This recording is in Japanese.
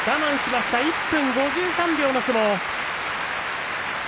１分５３秒の相撲でした。